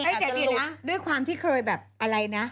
ใจดีนะด้วยความที่เคยแบบอะไรนะ